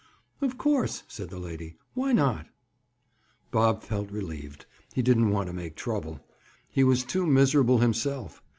"Of course," said the lady. "Why not?" Bob felt relieved. He didn't want to make trouble. He was too miserable himself.